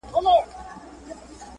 له میو چي پرهېز کوم پر ځان مي ژړا راسي-